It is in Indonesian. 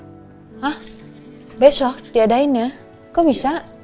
hah besok diadainnya kok bisa